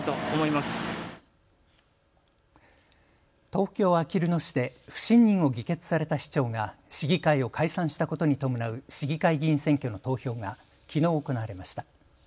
東京あきる野市で不信任を議決された市長が市議会を解散したことに伴う市議会議員選挙の投票がきのう行われました。